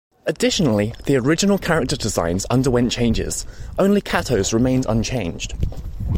Additionally, the original character designs underwent changes, only Kato's remained unchanged.